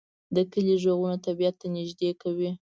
د کلی غږونه طبیعت ته نږدې کوي